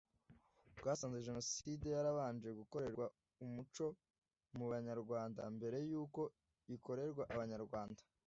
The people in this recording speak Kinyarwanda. twasanze Jenoside yarabanje gukorerwa umuco mu banyarwanda mbere yuko ikorerwa Abanyarwanda